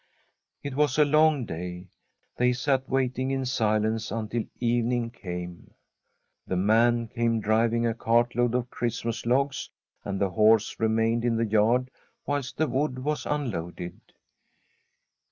It was a long day. They sat waiting in silence until evening came. The man came driving a cartload of Christ mas logs, and the horse remained in the yard whilst the wood was unloaded.